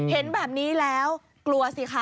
เห็นแบบนี้แล้วกลัวสิคะ